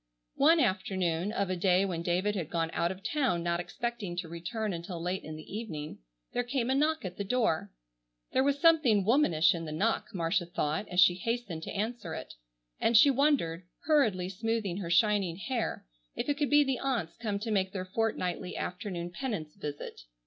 One afternoon, of a day when David had gone out of town not expecting to return until late in the evening, there came a knock at the door. There was something womanish in the knock, Marcia thought, as she hastened to answer it, and she wondered, hurriedly smoothing her shining hair, if it could be the aunts come to make their fortnightly afternoon penance visit.